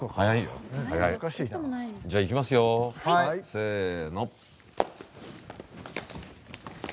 せの。